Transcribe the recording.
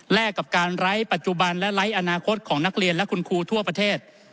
กับการไร้ปัจจุบันและไร้อนาคตของนักเรียนและคุณครูทั่วประเทศ